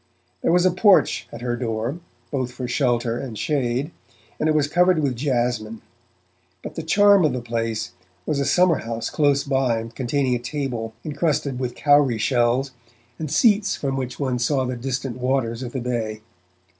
There was a porch at her door, both for shelter and shade, and it was covered with jasmine; but the charm of the place was a summer house close by, containing a table, encrusted with cowry shells, and seats from which one saw the distant waters of the bay.